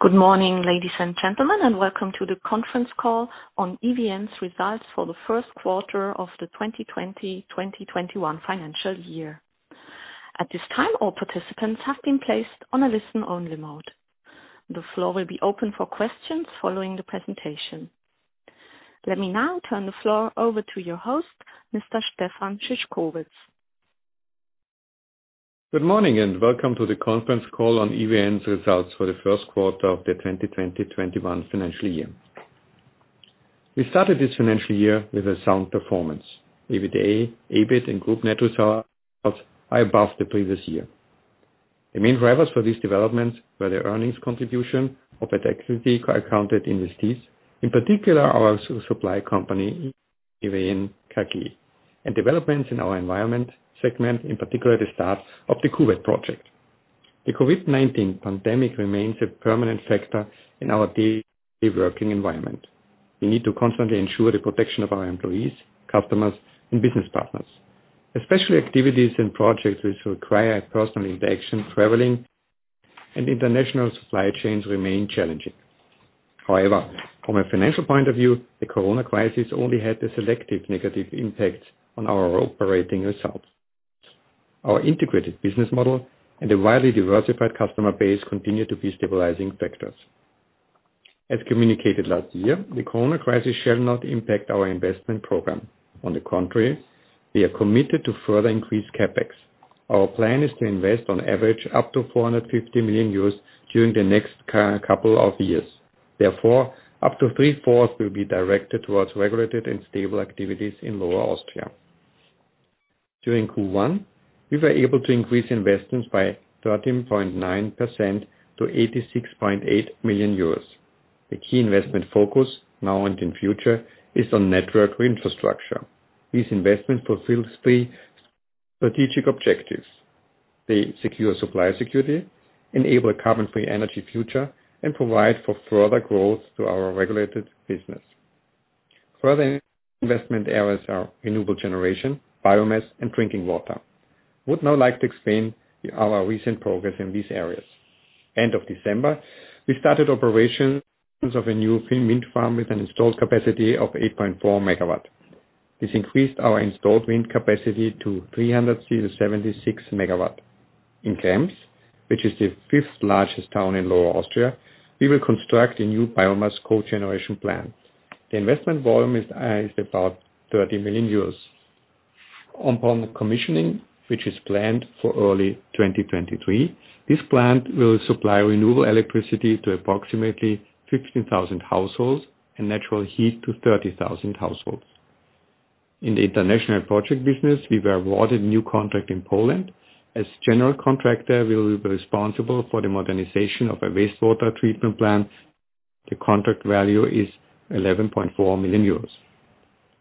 Good morning, ladies and gentlemen, and welcome to the conference call on EVN's results for the first quarter of the 2020/2021 financial year. At this time all participants have been placed on listen-only mode. The floor will be opened for questions following the presentation. Let me now turn the floor over to your host, Mr. Stefan Szyszkowitz. Good morning and welcome to the conference call on EVN's results for the first quarter of the 2020/21 financial year. We started this financial year with a sound performance. EBITDA, EBIT, and group net results are above the previous year. The main drivers for these developments were the earnings contribution of at-equity accounted investees, in particular our supply company, EVN KG, and developments in our environment segment, in particular the start of the Kuwait project. The COVID-19 pandemic remains a permanent factor in our daily working environment. We need to constantly ensure the protection of our employees, customers, and business partners, especially activities and projects which require personal interaction, traveling, and international supply chains remain challenging. However, from a financial point of view, the Corona crisis only had a selective negative impact on our operating results. Our integrated business model and a widely diversified customer base continue to be stabilizing factors. As communicated last year, the Corona crisis shall not impact our investment program. On the contrary, we are committed to further increase CapEx. Our plan is to invest on average up to 450 million euros during the next couple of years. Therefore, up to three-fourths will be directed towards regulated and stable activities in Lower Austria. During Q1, we were able to increase investments by 13.9% to 86.8 million euros. The key investment focus now and in future is on network infrastructure. This investment fulfills three strategic objectives: they secure supply security, enable a carbon-free energy future, and provide for further growth to our regulated business. Further investment areas are renewable generation, biomass, and drinking water. I would now like to explain our recent progress in these areas. End of December, we started operations of a new wind farm with an installed capacity of 8.4 MW. This increased our installed wind capacity to 376 MW. In Krems, which is the fifth largest town in Lower Austria, we will construct a new biomass cogeneration plant. The investment volume is about 30 million euros. Upon commissioning, which is planned for early 2023, this plant will supply renewable electricity to approximately 15,000 households and natural heat to 30,000 households. In the international project business, we were awarded a new contract in Poland. As general contractor, we will be responsible for the modernization of a wastewater treatment plant. The contract value is 11.4 million euros.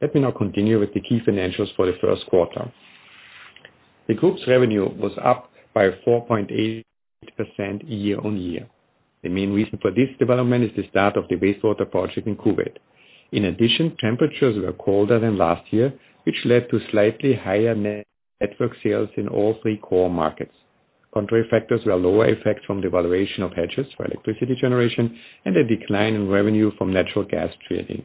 Let me now continue with the key financials for the first quarter. The group's revenue was up by 4.8% year-over-year. The main reason for this development is the start of the wastewater project in Kuwait. In addition, temperatures were colder than last year, which led to slightly higher network sales in all three core markets. Contrary factors were lower effect from devaluation of hedges for electricity generation and a decline in revenue from natural gas trading.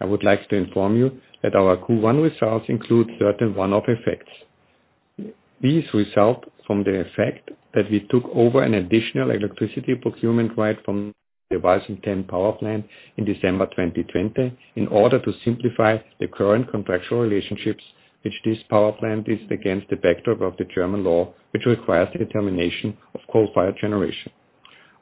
I would like to inform you that our Q1 results include certain one-off effects. These result from the effect that we took over an additional electricity procurement right from the Walsum 10 power plant in December 2020 in order to simplify the current contractual relationships which this power plant is against the backdrop of the German law, which requires the determination of coal-fired generation.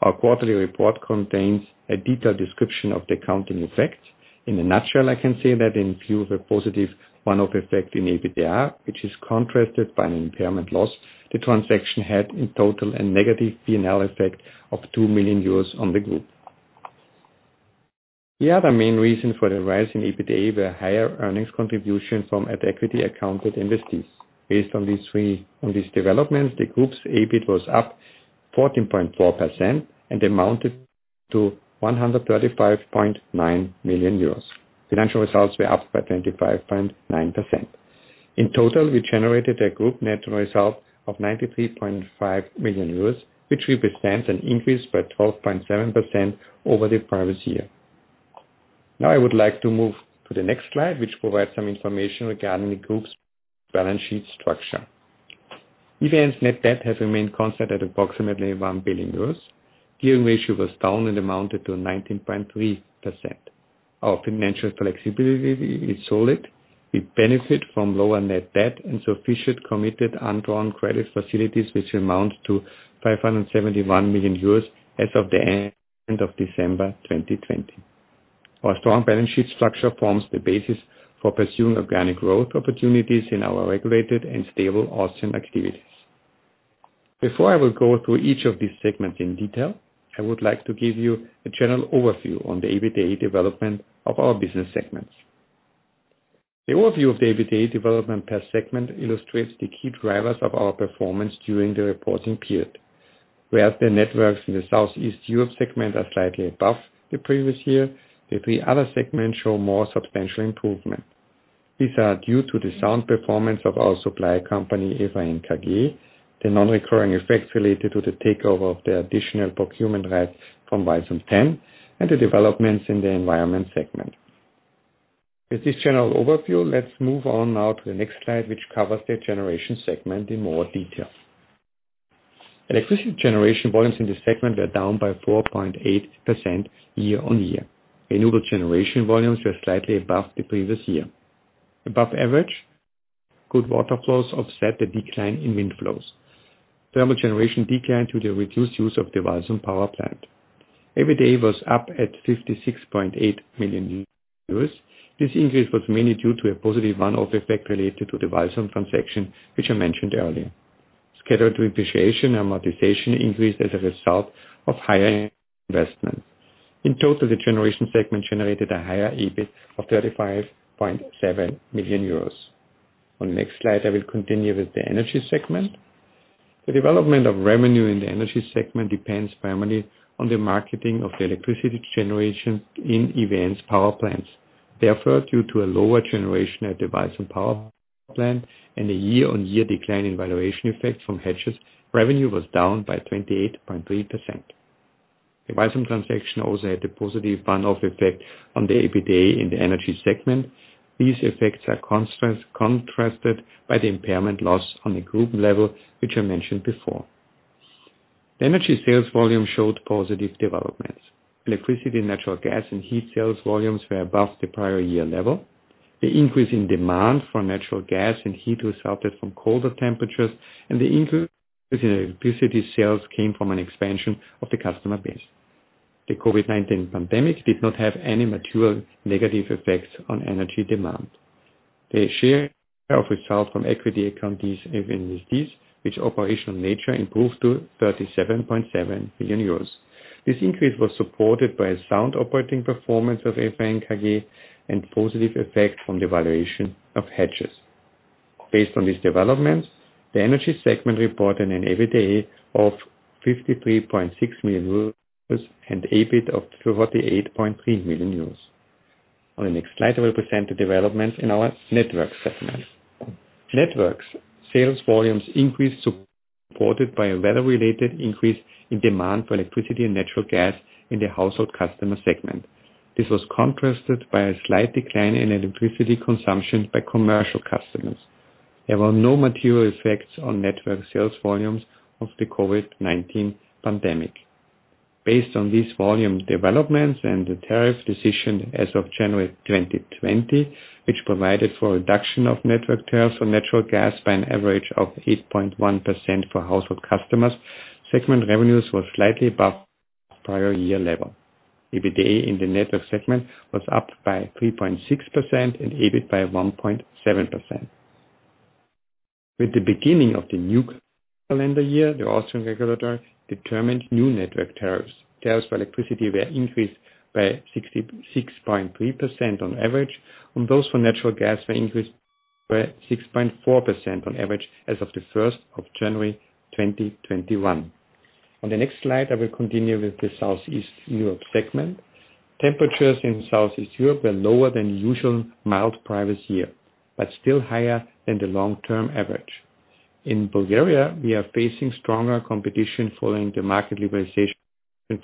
Our quarterly report contains a detailed description of the accounting effects. In a nutshell, I can say that in view of a positive one-off effect in EBITDA, which is contrasted by an impairment loss, the transaction had in total a negative P&L effect of 2 million euros on the group. The other main reason for the rise in EBITDA were higher earnings contribution from at-equity accounted investees. Based on these developments, the group's EBIT was up 14.4% and amounted to 135.9 million euros. Financial results were up by 25.9%. In total, we generated a group net result of 93.5 million euros, which represents an increase by 12.7% over the previous year. Now I would like to move to the next slide, which provides some information regarding the group's balance sheet structure. EVN's net debt has remained constant at approximately 1 billion euros. Gearing ratio was down and amounted to 19.3%. Our financial flexibility is solid. We benefit from lower net debt and sufficient committed undrawn credit facilities, which amount to 571 million euros as of the end of December 2020. Our strong balance sheet structure forms the basis for pursuing organic growth opportunities in our regulated and stable Austrian activities. Before I will go through each of these segments in detail, I would like to give you a general overview on the EBITDA development of our business segments. The overview of the EBITDA development per segment illustrates the key drivers of our performance during the reporting period. Whereas the networks in the Southeast Europe segment are slightly above the previous year, the three other segments show more substantial improvement. These are due to the sound performance of our supply company, EVN KG, the non-recurring effects related to the takeover of the additional procurement rights from Walsum 10, and the developments in the environment segment. With this general overview, let's move on now to the next slide, which covers the generation segment in more detail. Electricity generation volumes in this segment were down by 4.8% year-over-year. Renewable generation volumes were slightly above the previous year. Above average, good water flows offset the decline in wind flows. Thermal generation declined due to the reduced use of the Walsum power plant. EBITDA was up at 56.8 million euros. This increase was mainly due to a positive one-off effect related to the Walsum transaction, which I mentioned earlier. Scheduled depreciation amortization increased as a result of higher investment. In total, the generation segment generated a higher EBIT of 35.7 million euros. On the next slide, I will continue with the energy segment. The development of revenue in the energy segment depends primarily on the marketing of the electricity generation in EVN's power plants. Due to a lower generation at the Walsum power plant and a year-on-year decline in valuation effects from hedges, revenue was down by 28.3%. The Walsum transaction also had a positive one-off effect on the EBITDA in the energy segment. These effects are contrasted by the impairment loss on the group level, which I mentioned before. The energy sales volume showed positive developments. Electricity, natural gas, and heat sales volumes were above the prior year level. The increase in demand for natural gas and heat resulted from colder temperatures, and the increase in electricity sales came from an expansion of the customer base. The COVID-19 pandemic did not have any material negative effects on energy demand. The share of result from at-equity accounted investees, which operational nature improved to 37.7 million euros. This increase was supported by a sound operating performance of EVN KG and positive effect from the valuation of hedges. Based on these developments, the energy segment reported an EBITDA of 53.6 million euros and EBIT of 48.3 million euros. On the next slide, I will present the developments in our Networks segment. Networks sales volumes increased, supported by a weather-related increase in demand for electricity and natural gas in the household customer segment. This was contrasted by a slight decline in electricity consumption by commercial customers. There were no material effects on network sales volumes of the COVID-19 pandemic. Based on these volume developments and the tariff decision as of January 2020, which provided for a reduction of network tariffs for natural gas by an average of 8.1% for household customers, segment revenues were slightly above prior year level. EBITDA in the network segment was up by 3.6% and EBIT by 1.7%. With the beginning of the new calendar year, the Austrian regulator determined new network tariffs. Tariffs for electricity were increased by 66.3% on average, and those for natural gas were increased by 6.4% on average as of the 1st of January 2021. On the next slide, I will continue with the Southeast Europe segment. Temperatures in Southeast Europe were lower than usual mild previous year, but still higher than the long-term average. In Bulgaria, we are facing stronger competition following the market liberalization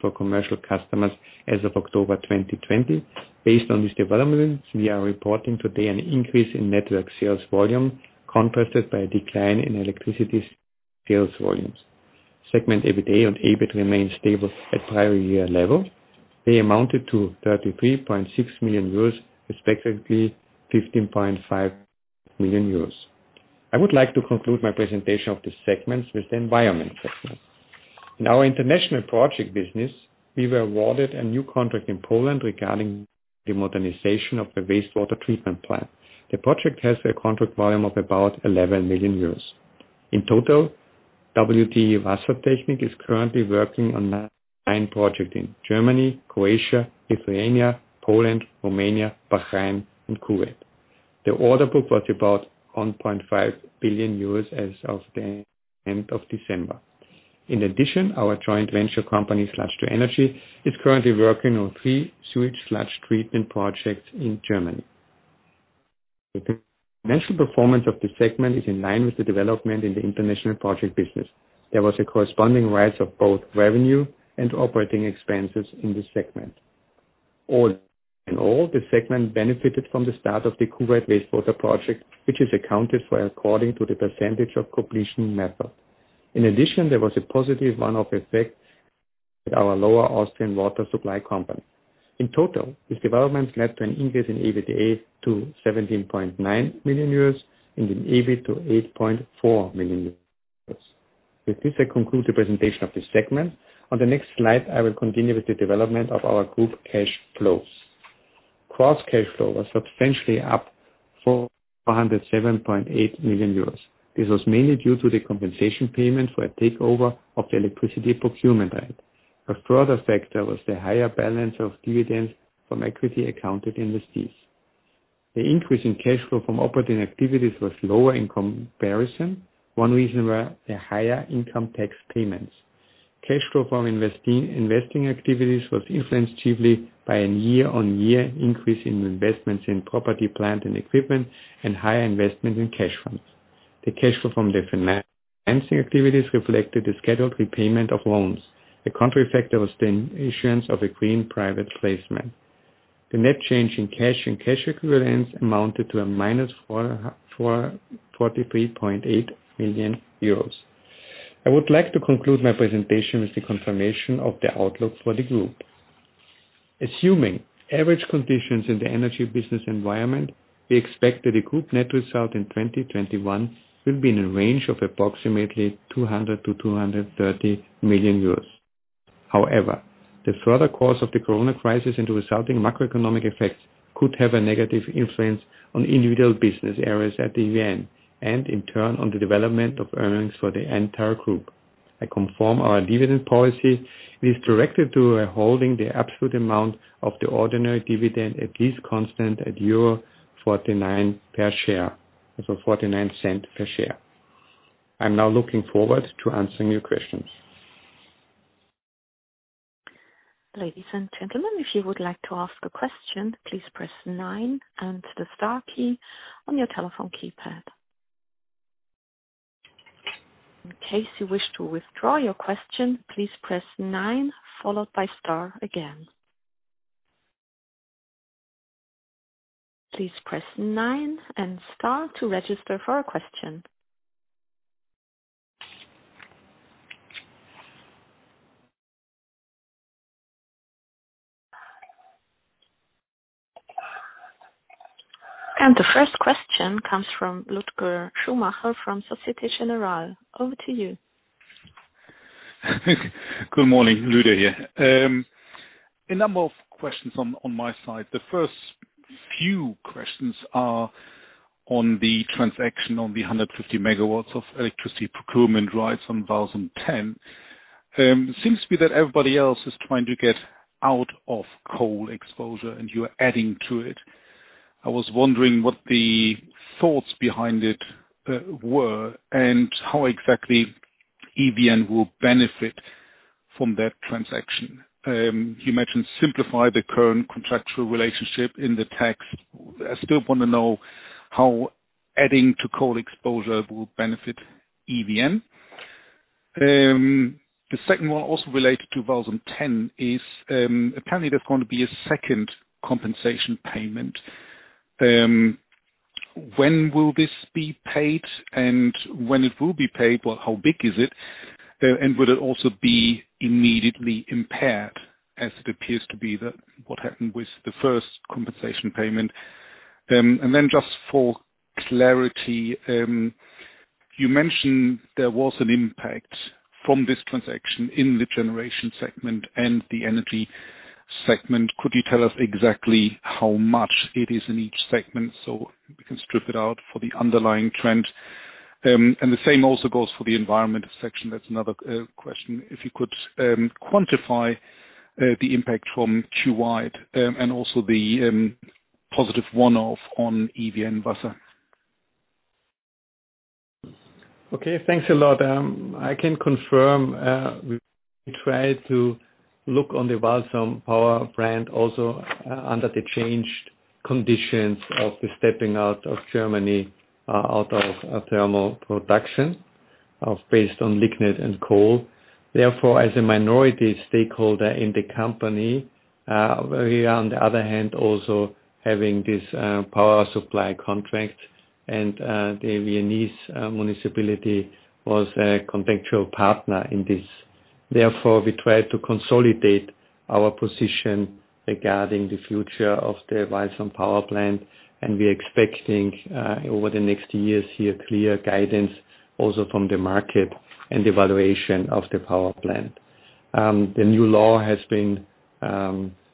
for commercial customers as of October 2020. Based on these developments, we are reporting today an increase in network sales volume contrasted by a decline in electricity sales volumes. Segment EBITDA and EBIT remain stable at prior year level. They amounted to 33.6 million euros, respectively 15.5 million euros. I would like to conclude my presentation of the segments with the environment segment. In our international project business, we were awarded a new contract in Poland regarding the modernization of the wastewater treatment plant. The project has a contract volume of about 11 million euros. In total, WTE Wassertechnik is currently working on nine projects in Germany, Croatia, Lithuania, Poland, Romania, Bahrain, and Kuwait. The order book was about 1.5 billion euros as of the end of December. In addition, our joint venture company, sludge2energy, Is currently working on three sewage sludge treatment projects in Germany. The financial performance of the segment is in line with the development in the international project business. There was a corresponding rise of both revenue and operating expenses in this segment. All in all, the segment benefited from the start of the Kuwait wastewater project, which is accounted for according to the percentage of completion method. In addition, there was a positive one-off effect with our Lower Austrian water supply company. In total, these developments led to an increase in EBITDA to 17.9 million euros and in EBIT to 8.4 million euros. With this, I conclude the presentation of the segment. On the next slide, I will continue with the development of our group cash flows. Gross cash flow was substantially up 407.8 million euros. This was mainly due to the compensation payment for a takeover of the electricity procurement right. A further factor was the higher balance of dividends from at-equity accounted investees. The increase in cash flow from operating activities was lower in comparison. One reason were the higher income tax payments. Cash flow from investing activities was influenced chiefly by a year-on-year increase in investments in property, plant, and equipment and higher investment in cash funds. The cash flow from the financing activities reflected the scheduled repayment of loans. A counter effect was the issuance of a green private placement. The net change in cash and cash equivalents amounted to a minus 43.8 million euros. I would like to conclude my presentation with the confirmation of the outlook for the group. Assuming average conditions in the energy business environment, we expect that the group net result in 2021 will be in a range of approximately 200 million-230 million euros. However, the further course of the COVID crisis and the resulting macroeconomic effects could have a negative influence on individual business areas at EVN, and in turn, on the development of earnings for the entire group. I confirm our dividend policy is directed to holding the absolute amount of the ordinary dividend at least constant at 0.49 per share. I'm now looking forward to answering your questions. Ladies and gentlemen, if you would like to ask a question, please press nine and the star key on your telephone keypad. In case you wish to withdraw your question, please press nine followed by star again. Please press nine and star to register for a question. The first question comes from Lueder Schumacher from Société Générale. Over to you. Good morning. Lueder here. A number of questions on my side. The first few questions are on the transaction on the 150 MW of electricity procurement rights on Walsum 10. It seems to be that everybody else is trying to get out of coal exposure, and you're adding to it. I was wondering what the thoughts behind it were, and how exactly EVN will benefit from that transaction. You mentioned simplify the current contractual relationship in the text. I still want to know how adding to coal exposure will benefit EVN. The second one also related to Walsum 10 is, apparently, there's going to be a second compensation payment. When will this be paid, and when it will be paid, how big is it? Will it also be immediately impaired as it appears to be what happened with the first compensation payment? Just for clarity, you mentioned there was an impact from this transaction in the generation segment and the energy segment. Could you tell us exactly how much it is in each segment so we can strip it out for the underlying trend? The same also goes for the environment section. That's another question. If you could quantify the impact from Kuwait and also the positive one-off on EVN Wasser. Okay, thanks a lot. I can confirm, we try to look on the Walsum power plant also under the changed conditions of the stepping out of Germany out of thermal production based on lignite and coal. As a minority stakeholder in the company, we are on the other hand, also having this power supply contract and the Viennese municipality was a contractual partner in this. We try to consolidate our position regarding the future of the Walsum power plant, and we are expecting, over the next years here, clear guidance also from the market and the valuation of the power plant. The new law has been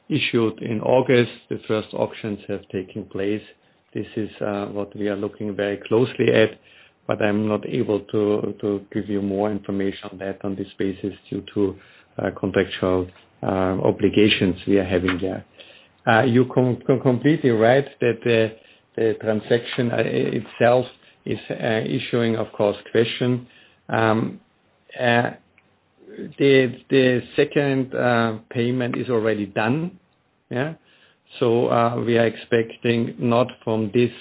issued in August. The first auctions have taken place. This is what we are looking very closely at, but I'm not able to give you more information on that on this basis due to contractual obligations we are having there. You are completely right that the transaction itself is issuing, of course, question. The second payment is already done. We are expecting not from this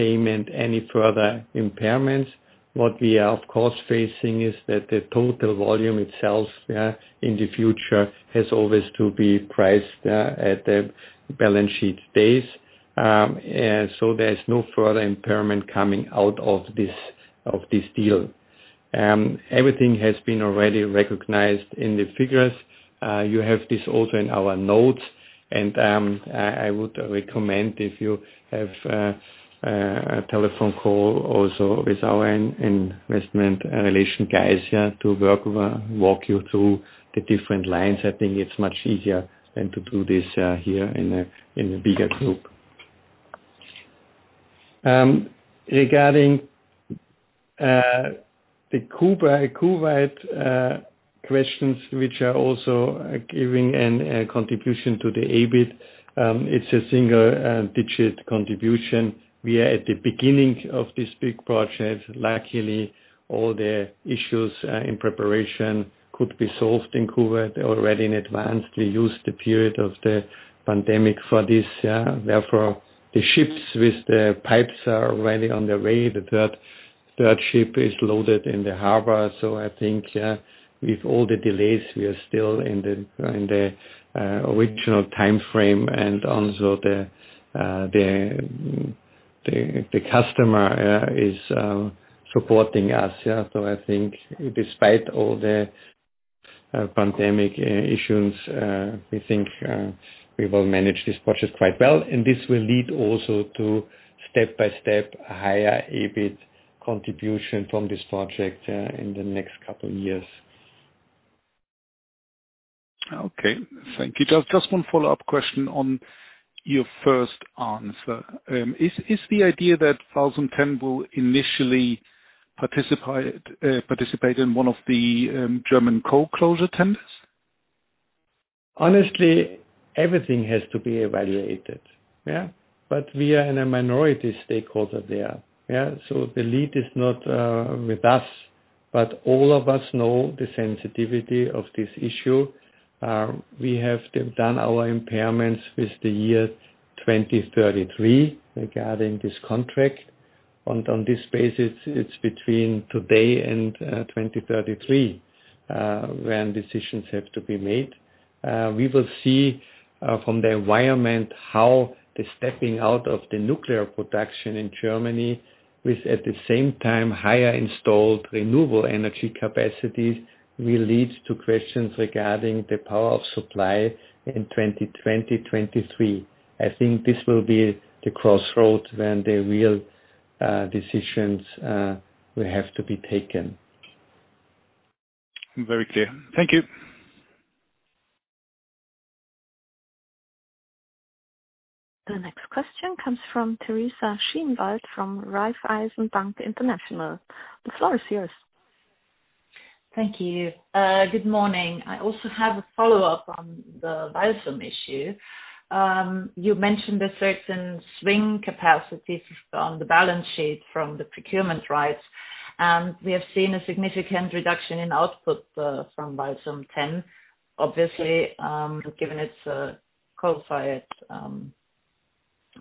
payment any further impairments. What we are, of course, facing is that the total volume itself in the future has always to be priced at the balance sheet days. There is no further impairment coming out of this deal. Everything has been already recognized in the figures. You have this also in our notes, and I would recommend if you have a telephone call also with our investor relations guys here to walk you through the different lines. I think it's much easier than to do this here in a bigger group. Regarding the Kuwait questions, which are also giving a contribution to the EBIT. It's a single-digit contribution. We are at the beginning of this big project. Luckily, all the issues in preparation could be solved in Kuwait already in advance. We used the period of the pandemic for this. The ships with the pipes are already on the way. The third ship is loaded in the harbor. I think with all the delays, we are still in the original timeframe and also the customer is supporting us. I think despite all the pandemic issues, we think we will manage this project quite well. This will lead also to step-by-step higher EBIT contribution from this project in the next couple of years. Okay. Thank you. Just one follow-up question on your first answer. Is the idea that Walsum 10 will initially participate in one of the German coal closure tenders? Honestly, everything has to be evaluated. We are in a minority stakeholder there. The lead is not with us, but all of us know the sensitivity of this issue. We have done our impairments with the year 2033 regarding this contract. On this basis, it's between today and 2033, when decisions have to be made. We will see from the environment how the stepping out of the nuclear production in Germany with, at the same time, higher installed renewable energy capacities, will lead to questions regarding the power of supply in 2020, 2023. I think this will be the crossroad when the real decisions will have to be taken. Very clear. Thank you. The next question comes from Teresa Schinwald of Raiffeisen Bank International. The floor is yours. Thank you. Good morning. I also have a follow-up on the Walsum issue. You mentioned a certain swing capacity on the balance sheet from the procurement rights, and we have seen a significant reduction in output from Walsum 10, obviously, given its coal-fired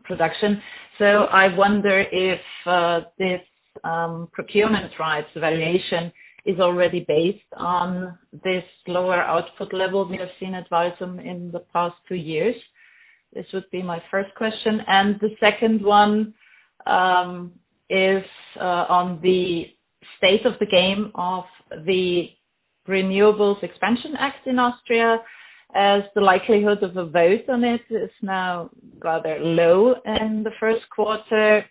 production. I wonder if this procurement rights valuation is already based on this lower output level we have seen at Walsum in the past two years. This would be my first question. The second one is on the state of the game of the Renewables Expansion Act in Austria, as the likelihood of a vote on it is now rather low in the first quarter.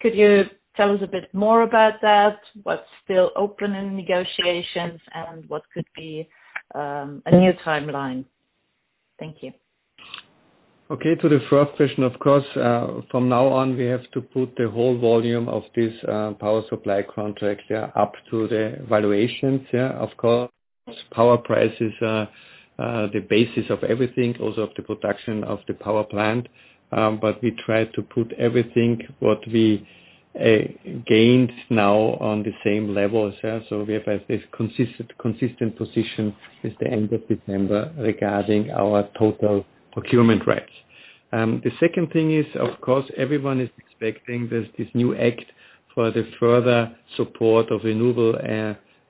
Could you tell us a bit more about that? What's still open in negotiations and what could be a new timeline? Thank you. Okay, to the first question, of course, from now on, we have to put the whole volume of this power supply contract up to the valuations. Of course, power price is the basis of everything, also of the production of the power plant. We try to put everything what we gained now on the same level. We have a consistent position with the end of December regarding our total procurement rights. The second thing is, of course, everyone is expecting this new act for the further support of renewable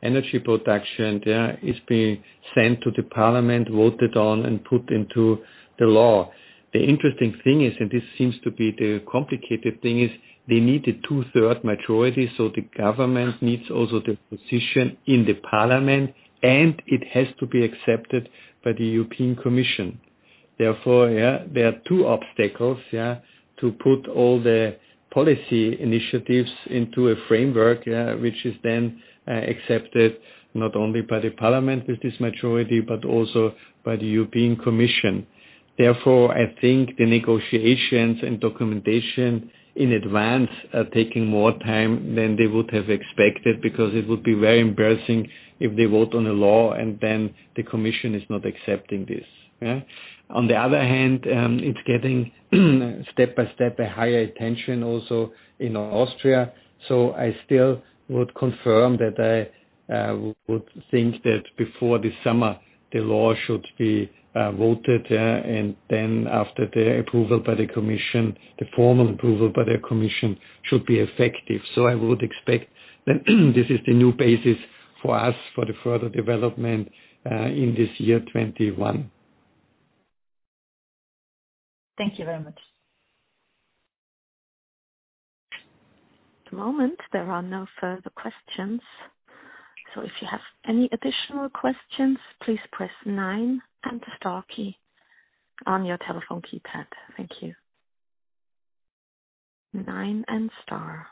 energy production. It's being sent to the parliament, voted on, and put into the law. The interesting thing is, and this seems to be the complicated thing, is they need a two-third majority, so the government needs also the position in the parliament, and it has to be accepted by the European Commission. There are two obstacles to put all the policy initiatives into a framework which is then accepted not only by the parliament with this majority, but also by the European Commission. I think the negotiations and documentation in advance are taking more time than they would have expected, because it would be very embarrassing if they vote on a law and then the Commission is not accepting this. On the other hand, it's getting step-by-step a higher attention also in Austria. I still would confirm that I would think that before this summer, the law should be voted, and then after the approval by the Commission, the formal approval by the Commission should be effective. I would expect that this is the new basis for us for the further development in this year 2021. Thank you very much. At the moment, there are no further questions. If you have any additional questions, please press nine and the star key on your telephone keypad. Thank you. nine and star.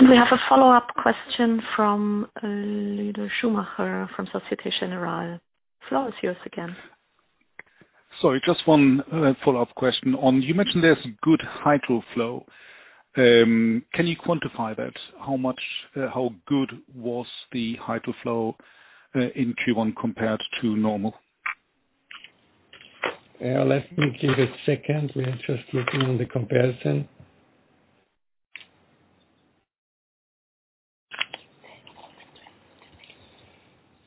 We have a follow-up question from Lueder Schumacher from Société Générale. Floor is yours again. Sorry, just one follow-up question. You mentioned there's good hydro flow. Can you quantify that? How good was the hydro flow in Q1 compared to normal? Let me give a second. We are just looking at the comparison.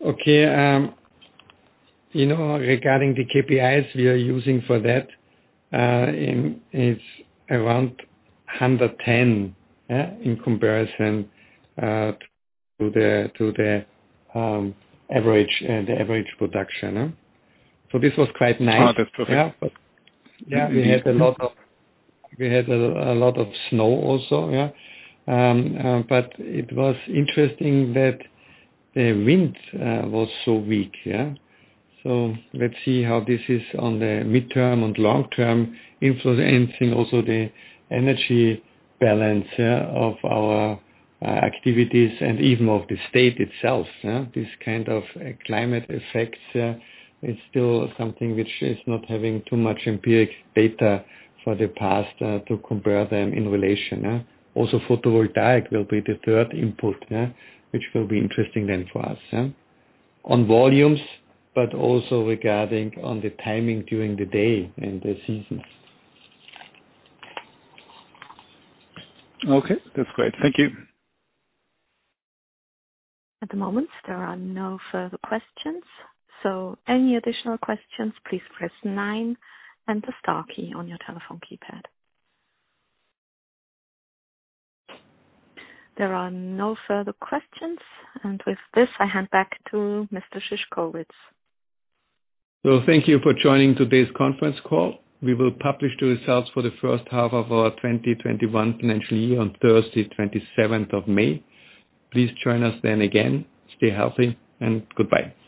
Okay. Regarding the KPIs we are using for that, it's around 110 in comparison to the average production. This was quite nice. Oh, that's perfect. Yeah. We had a lot of snow also. It was interesting that the wind was so weak. Let's see how this is on the midterm and long-term influencing also the energy balance of our activities and even of the state itself. These kind of climate effects is still something which is not having too much empiric data for the past to compare them in relation. Photovoltaic will be the third input, which will be interesting then for us on volumes, but also regarding on the timing during the day and the seasons. Okay. That's great. Thank you. At the moment, there are no further questions. Any additional questions, please press nine and the star key on your telephone keypad. There are no further questions. With this, I hand back to Mr. Szyszkowitz. Well, thank you for joining today's conference call. We will publish the results for the first half of our 2021 financial year on Thursday, 27th of May. Please join us then again. Stay healthy, and goodbye.